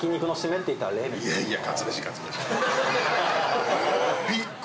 いやいや。